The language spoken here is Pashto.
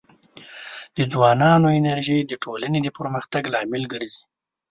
د ځوانانو انرژي د ټولنې د پرمختګ لامل ګرځي.